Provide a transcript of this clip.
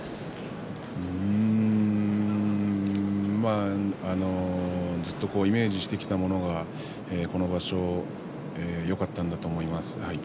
うーんずっとイメージしてきたものがこの場所、よかったんだと思います、はい。